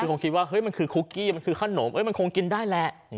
คงคิดว่าเฮ้ยมันคือคุกกี้มันคือขนมมันคงกินได้แหละ